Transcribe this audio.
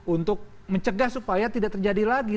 untuk mencegah supaya tidak terjadi lagi